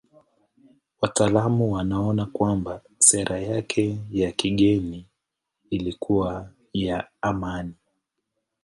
Wataalamu wanaona kwamba sera yake ya kigeni ilikuwa ya amani.